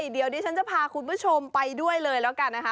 เดี๋ยวดิฉันจะพาคุณผู้ชมไปด้วยเลยแล้วกันนะคะ